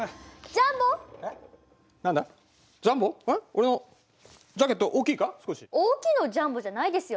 俺のジャケット大きいか？